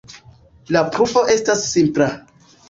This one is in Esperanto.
La pruvo estas simpla.